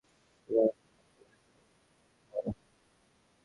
তিনি এক্স রশ্মির আবিষ্কারক যাকে তার নামানুসারে রঞ্জন রশ্মিও বলা হয়।